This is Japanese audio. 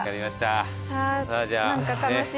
何か楽しい時間。